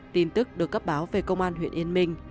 tin tức được cấp báo về công an huyện yên minh